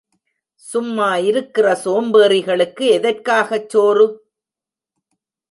சும்மா இருக்கிற சோம்பேறிகளுக்கு எதற்காகச் சோறு?